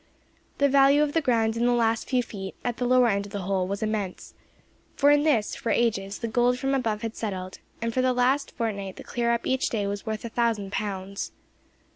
The value of the ground in the last few feet, at the lower end of the hole, was immense; for in this, for ages, the gold from above had settled, and for the last fortnight the clear up each day was worth a thousand pounds.